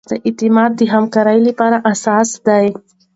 اعتماد د همکارۍ لپاره اساس دی.